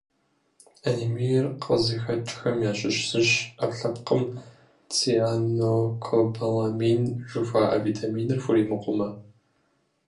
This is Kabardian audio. Анемиер къызыхэкӏхэм ящыщ зыщ ӏэпкълъэпкъым цианокобаламин жыхуаӏэ витаминыр хуримыкъумэ.